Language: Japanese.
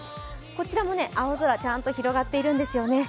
こちらも青空、ちゃんと広がっているんですよね。